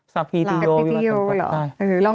สะพีติโย